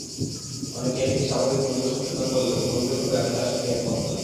অনেকে এটিকে স্বাভাবিক মূল্য সংশোধন বললেও পুরোপুরিভাবে আমি তার সঙ্গে একমত নই।